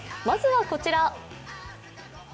まずはこちら。